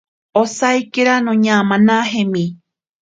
Osaikira noñamanajemi.